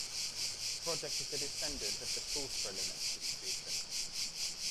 The project is a descendant of the Sorcerer Linux distribution.